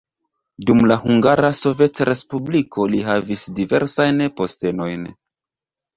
Dum la Hungara Sovetrespubliko li havis diversajn postenojn.